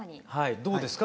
どうですか？